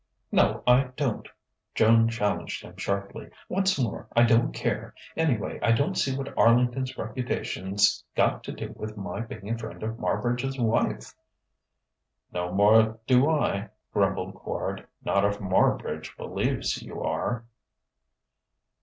"No, I don't," Joan challenged him sharply. "What's more, I don't care. Anyway, I don't see what Arlington's reputation's got to do with my being a friend of Marbridge's wife." "No more do I," grumbled Quard "not if Marbridge believes you are."